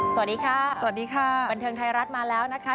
สวัสดีค่ะสวัสดีค่ะบันเทิงไทยรัฐมาแล้วนะคะ